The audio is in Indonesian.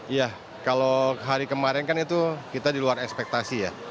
iya kalau hari kemarin kan itu kita di luar ekspektasi ya